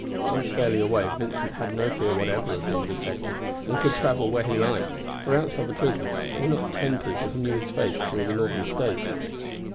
Once fairly away, Vincent had no fear whatever of being detected, and could travel where he liked, for outside the prison there were not ten people who knew his face throughout the Northern States.